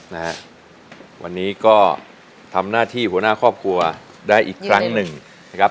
นะฮะวันนี้ก็ทำหน้าที่หัวหน้าครอบครัวได้อีกครั้งหนึ่งนะครับ